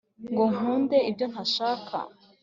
ngo nkunde ibyo ntashaka.